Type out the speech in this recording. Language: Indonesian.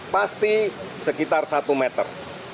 pasti sekitar satu meter